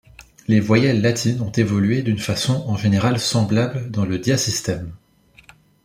Les voyelles latines ont évolué d'une façon en général semblable dans le diasystème.